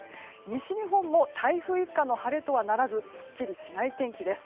西日本も台風一過の晴れとはならずすっきりしない天気です。